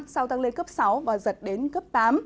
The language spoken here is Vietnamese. sau tăng lên cấp sáu và giật đến cấp tám